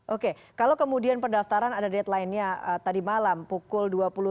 oke kalau kemudian pendaftaran ada deadline nya tadi malam pukul dua puluh tiga lima puluh sembilan